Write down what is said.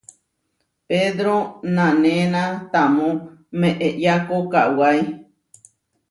Pedro nanéna tamó meʼeyako kawái.